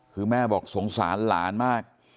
คือแม่บอกสงสารหลานมาก